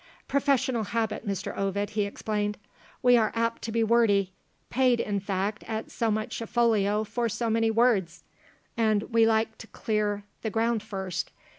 "Professional habit, Mr. Ovid," he explained. "We are apt to be wordy paid, in fact, at so much a folio, for so many words! and we like to clear the ground first.